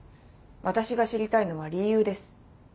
私が知りたいのは理由です。